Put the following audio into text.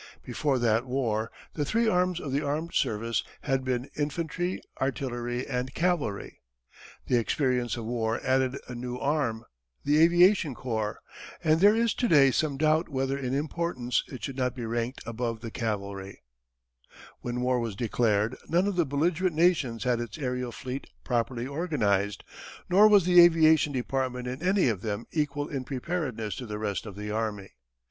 Before that war the three arms of the armed service had been infantry, artillery, and cavalry. The experience of war added a new arm the aviation corps and there is to day some doubt whether in importance it should not be ranked above the cavalry. [Illustration: "America" Built to Cross the Atlantic Ocean. © U. & U.] When war was declared none of the belligerent nations had its aërial fleet properly organized, nor was the aviation department in any of them equal in preparedness to the rest of the army.